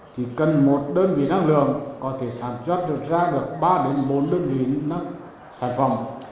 thì cần một đơn vị năng lượng có thể sản xuất được ra được ba đến bốn đơn vị sản phẩm